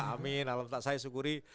amin alhamdulillah saya syukuri